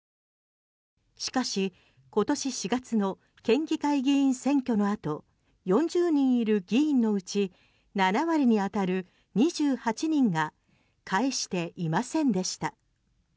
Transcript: しかし今年４月の県議会議員選挙の後４０人いる議員のうち７割に当たる２８人が返していませんでした。